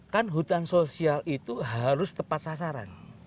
kan hutan sosial itu harus tepat sasaran